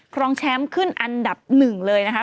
รองแชมป์ขึ้นอันดับหนึ่งเลยนะคะ